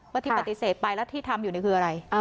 ที่ปฏิเสธไปแล้วที่ทำอยู่นี่คืออะไร